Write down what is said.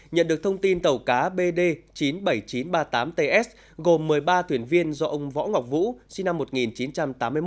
nhận được thông tin tàu cá bd chín mươi bảy nghìn chín trăm ba mươi tám ts gồm một mươi ba thuyền viên do ông võ ngọc vũ sinh năm một nghìn chín trăm tám mươi một